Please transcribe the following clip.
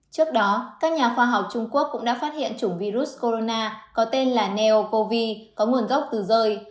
trước đó các nhà khoa học trung quốc cũng đã phát hiện chủng virus corona có tên là neo covid có nguồn gốc từ rơi